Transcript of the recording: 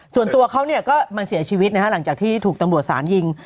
ส่วนตัวเขาก็มาเสียชีวิตนะฮะหลังจากที่ถูกตำรวจสารยิง